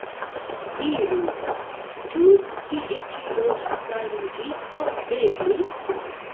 Diru, ĉu tie ĉi loĝas la juĝisto Begli?